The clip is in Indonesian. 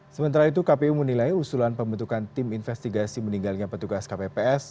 sementara itu kpu menilai usulan pembentukan tim investigasi meninggalnya petugas kpps